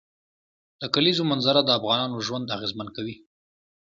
د کلیزو منظره د افغانانو ژوند اغېزمن کوي.